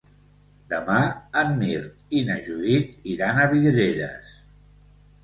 Demà en Mirt i na Judit iran a Vidreres.